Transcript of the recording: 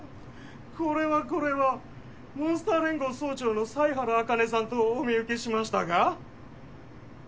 これはこれは悶主陀亜連合総長の犀原茜さんとお見受けしましたが。